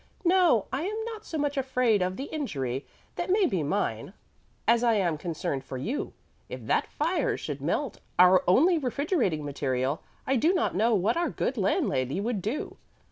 "No, I am not so much afraid of the injury that may be mine as I am concerned for you. If that fire should melt our only refrigerating material, I do not know what our good landlady would do.